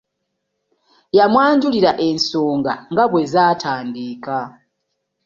Yamwanjulira ensonga nga bwe zaatandika.